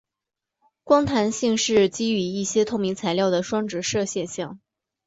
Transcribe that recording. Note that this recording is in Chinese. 光弹性是基于一些透明材料的双折射现象。